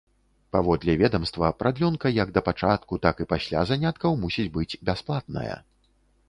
Паводле ведамства, прадлёнка як да пачатку, так і пасля заняткаў мусіць быць бясплатная.